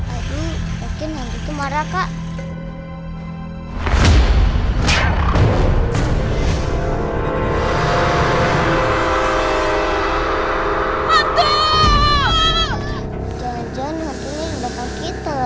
aduh mungkin hantu itu marah kak